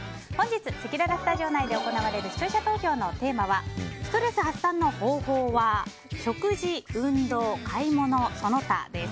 せきららスタジオ内で行われる視聴者投票のテーマはストレス発散の方法は食事・運動・買い物・その他です。